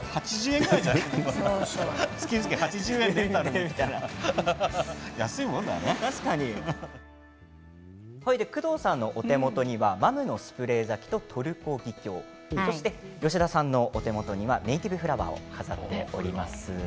これ、そうだね、多分工藤さんのお手元にはマムのスプレー咲きとトルコギキョウ吉田さんのお手元にはネイティブフラワーを飾っております。